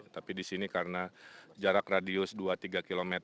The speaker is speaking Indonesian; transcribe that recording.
tapi disini karena jarak radius dua tiga km